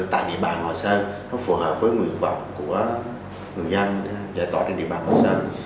tại địa bàn hòa sơn nó phù hợp với nguyện vọng của người dân giải tỏa trên địa bàn hòa sơn